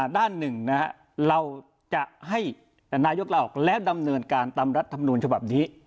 ด้านหนึ่งว่าเราจะให้นายุคละออกดำเนินการตามรัฐธรรมนุนสภัพดี